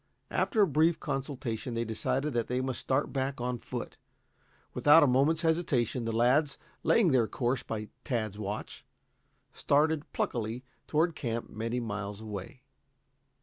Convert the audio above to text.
After a brief consultation they decided that they must start back on foot. Without a moment's hesitation, the lads, laying their course by Tad's watch, started pluckily toward camp, many miles away.